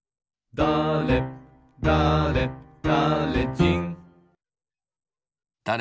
だれだれだれだれ